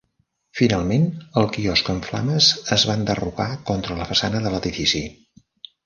Finalment, el quiosc en flames es va enderrocar contra la façana de l'edifici.